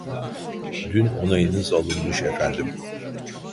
Dün onayınız alınmış efendim